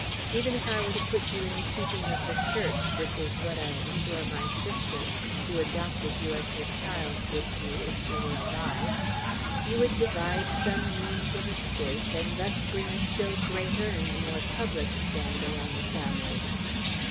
Even if I were to put you in the keeping of the Church, which is what I am sure my sister, who adopted you as her child, would do, if she were alive, you would devise some means of escape, and thus bring a still greater and more public scandal on the family.